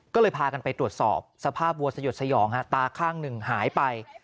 ก็เลยพากันไปตรวจสอบสภาพวัวสยดสยองฮะตาข้างหนึ่งหายไป